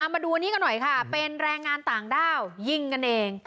มาดูอันนี้กันหน่อยค่ะเป็นแรงงานต่างด้าวยิงกันเอง